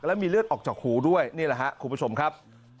แล้วมีเลือดออกจากหูด้วยนี่แหละครับคุณผู้ชมครับ